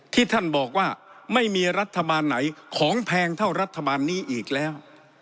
ที่ท่านบอกว่าไม่มีรัฐบาลไหนของแพงเท่ารัฐบาลนี้อีกแล้ว